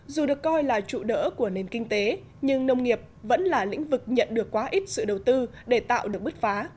dù được coi là trụ đỡ của nền kinh tế nhưng nông nghiệp vẫn là lĩnh vực nhận được quá ít sự đầu tư để tạo được bứt phá